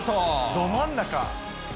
ど真ん中。